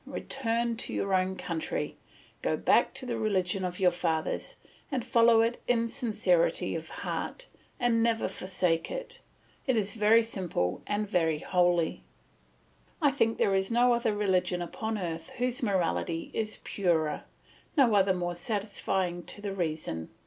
Return to your own country, go back to the religion of your fathers, and follow it in sincerity of heart, and never forsake it; it is very simple and very holy; I think there is no other religion upon earth whose morality is purer, no other more satisfying to the reason.